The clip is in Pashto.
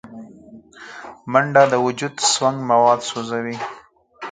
منډه د وجود سونګ مواد سوځوي